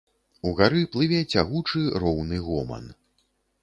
Угары плыве цягучы роўны гоман.